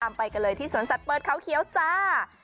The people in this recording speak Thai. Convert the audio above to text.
ไปกันเลยที่สวนสัตว์เปิดเขาเขียวจ้า